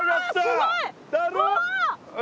わすごい！